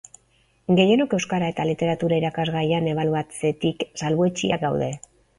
Gehienok Euskara eta Literatura irakasgaian ebaluatzetik salbuetsiak gaude.